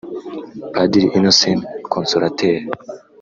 Padiri Innocent Consolateur